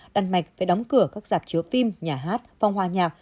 đan mạch phải đóng cửa các dạp chứa phim nhà hát phòng hoa nhạc